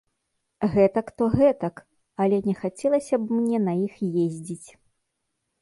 Гэтак то гэтак, але не хацелася б мне на іх ездзіць.